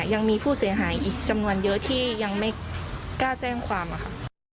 ยังมีผู้เสียหายอีกจำนวนเยอะที่ยังไม่กล้าแจ้งความค่ะ